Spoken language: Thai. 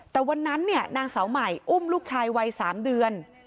แต่วันนั้นนางสาวใหม่อุ้มลูกชายวัย๓เดือน